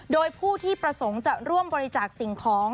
โดยผู้ที่ประสงค์จะร่วมบริจาคสิ่งของ